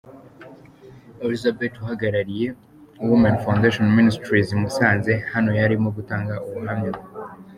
Elizabeth uhagarariye Women Foundation Ministries i Musanze, hano yari arimo gutanga ubuhamya.